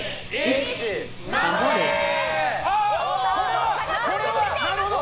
ああこれは、なるほど！